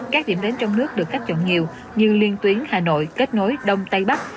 các điểm đến trong nước được khách chọn nhiều như liên tuyến hà nội kết nối đông tây bắc